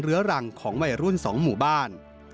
เหลือรังของวัยรุ่นสองหมู่บ้าน